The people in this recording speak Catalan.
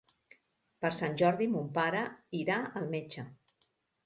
Per Sant Jordi mon pare irà al metge.